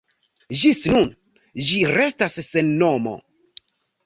Ĝis nun, ĝi restas sen nomo.